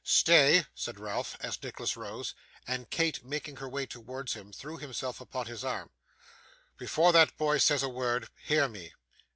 'Stay,' said Ralph, as Nicholas rose, and Kate, making her way towards him, threw herself upon his arm. 'Before that boy says a word, hear me.